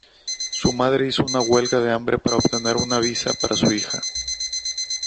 Su madre hizo una huelga de hambre para obtener una visa para su hija.